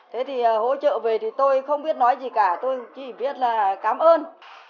thế thì hỗ trợ về thì tôi không biết nói gì cả tôi chỉ biết là cảm ơn